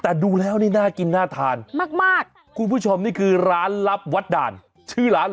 แต่ดูแล้วนี่น่ากินน่าทานมากมากคุณผู้ชมนี่คือร้านลับวัดด่านชื่อร้านเหรอ